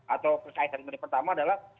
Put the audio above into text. atau saya terlibat pertama adalah